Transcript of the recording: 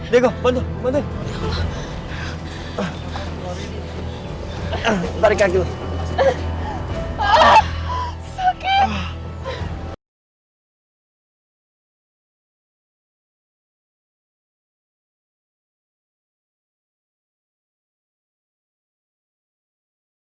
dego bantu bantuin